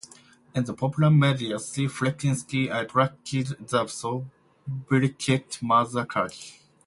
In the popular media she frequently attracted the soubriquet "Mother Courage".